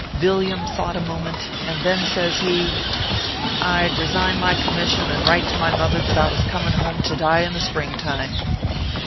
Villiam thought a moment, and then says he :" I d resign my commission, and write to my mother that I was coming home to die in the spring time."